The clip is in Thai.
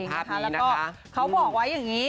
แล้วก็เขาบอกไว้อย่างนี้